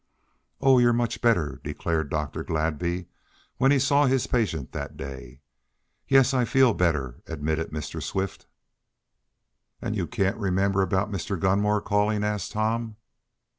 "Oh, you're much better!" declared Dr. Gladby when he saw his patient that day. "Yes, I feel better," admitted Mr. Swift. "And can't you remember about Mr. Gunmore calling?" asked Tom.